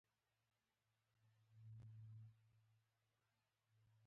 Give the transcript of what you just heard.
توني؛ جمله هغه ده، چي ځای وښیي.